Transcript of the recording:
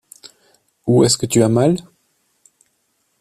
Où est-ce que tu as mal ?